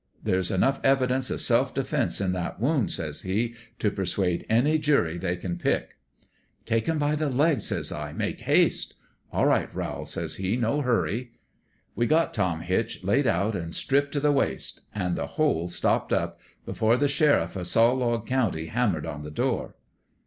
' There's enough evidence of self defense in that wound,' says he, ' to per suade any jury they can pick.' "' Take him by the legs,' says I. ' Make haste.' "' All right, Rowl,' says he ; 'no hurry.' " We had Tom Hitch laid out an' stripped t' the waist an' the hole stopped up before the sheriff o' Saw log County hammered on the door.